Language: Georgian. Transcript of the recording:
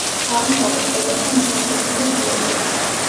აღმოსავლეთ კედელში მოთავსებულია ღიობი.